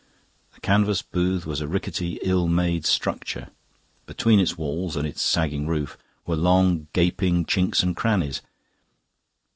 The canvas booth was a rickety, ill made structure. Between its walls and its sagging roof were long gaping chinks and crannies.